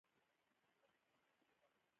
محمد قاسم فرشته لومړی تاریخ لیکونکی دﺉ.